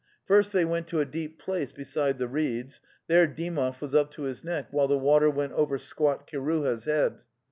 First they went to a deep place beside the reeds; there Dymov was up to his neck, while the water went over squat Kiruha's head.